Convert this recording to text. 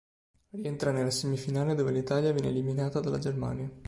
Rientra nella semifinale dove l'Italia viene eliminata dalla Germania.